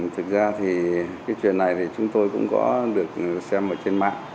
thực ra thì cái chuyện này thì chúng tôi cũng có được xem ở trên mạng